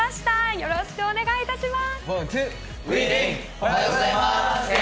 よろしくお願いします。